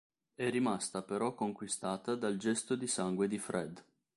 È rimasta però conquistata dal gesto di sangue di Fred.